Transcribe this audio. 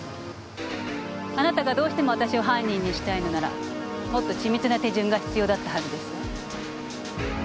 あなたがどうしても私を犯人にしたいのならもっと緻密な手順が必要だったはずですわ。